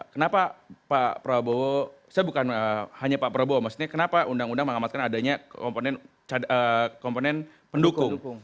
kenapa pak prabowo saya bukan hanya pak prabowo maksudnya kenapa undang undang mengamalkan adanya komponen pendukung